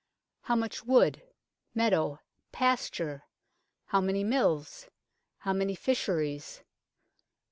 How much wood meadow pasture ? How many mills ? How many fisheries